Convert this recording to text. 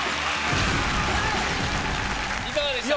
いかがでしたか？